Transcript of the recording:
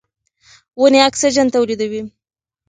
ونې اکسیجن تولیدوي.